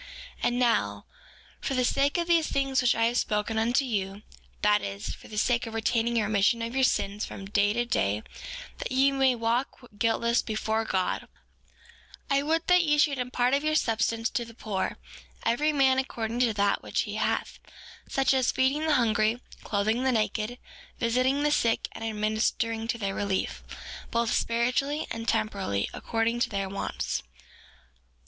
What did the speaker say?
4:26 And now, for the sake of these things which I have spoken unto you—that is, for the sake of retaining a remission of your sins from day to day, that ye may walk guiltless before God—I would that ye should impart of your substance to the poor, every man according to that which he hath, such as feeding the hungry, clothing the naked, visiting the sick and administering to their relief, both spiritually and temporally, according to their wants.